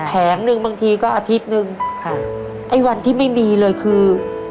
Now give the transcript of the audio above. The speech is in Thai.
แผงหนึ่งบางทีก็อาทิตย์หนึ่งค่ะไอ้วันที่ไม่มีเลยคือ